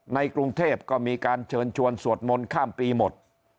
ในกรุงเทพก็มีการเชิญชวนสวดมนต์ข้ามปีหมด